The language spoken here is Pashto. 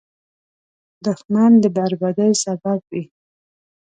دښمن د بربادۍ سبب وي